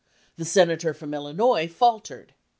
The sen ator from Illinois faltered.